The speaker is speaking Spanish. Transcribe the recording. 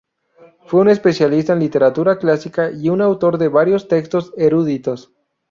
Fue un especialista en literatura clásica y autor de varios textos eruditos.